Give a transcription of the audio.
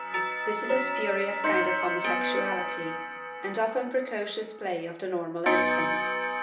This is a spurious kind of homosexuality, the often precocious play of the normal instinct.